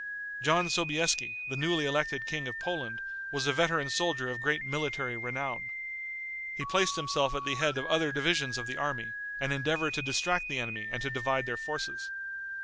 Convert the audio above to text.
John Sobieski, the newly elected King of Poland, was a veteran soldier of great military renown. He placed himself at the head of other divisions of the army, and endeavored to distract the enemy and to divide their forces.